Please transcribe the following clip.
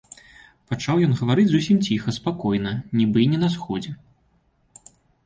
Пачаў ён гаварыць зусім ціха, спакойна, нібы і не на сходзе.